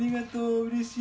うれしい。